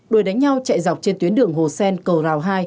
đuổi đánh nhau chạy dọc trên tuyến đường hồ sen cầu rào hai